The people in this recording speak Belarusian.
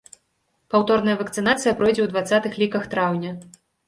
Паўторная вакцынацыя пройдзе ў дваццатых ліках траўня.